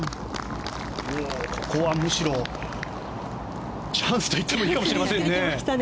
ここはむしろチャンスといってもいいかもしれませんね。